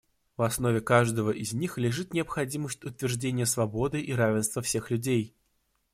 В основе каждого из них лежит необходимость утверждения свободы и равенства всех людей.